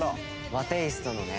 「和テイストのね」